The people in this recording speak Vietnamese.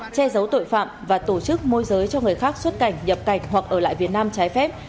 che giấu tội phạm và tổ chức môi giới cho người khác xuất cảnh nhập cảnh hoặc ở lại việt nam trái phép